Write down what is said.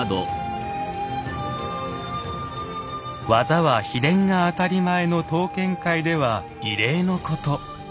技は秘伝が当たり前の刀剣界では異例のこと。